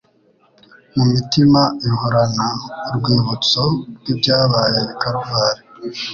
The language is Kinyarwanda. mu mitima ihorana urwibutso rw'ibyabaye i Karuvali.